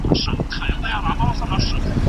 هغه څوک چي مطالعه کوي د خپل تحلیل څښتن وي.